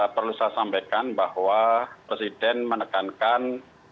perlu saya sampaikan bahwa presiden menekankan